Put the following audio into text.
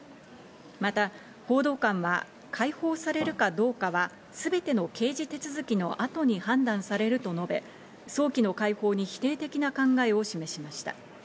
また報道官は、解放されるかどうかは全ての刑事手続きの後に判断されると述べ、早期の解放に否定的な考えを示しました。